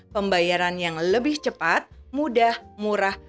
pembayaran yang lebih cepat mudah murah